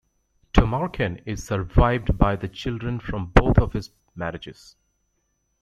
Tomarken is survived by the children from both of his marriages.